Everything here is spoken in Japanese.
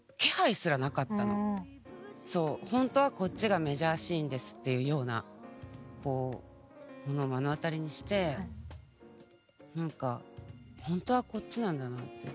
そう本当はこっちがメジャーシーンですっていうようなものを目の当たりにして何か本当はこっちなんだなって。